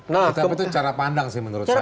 tapi itu cara pandang sih menurut saya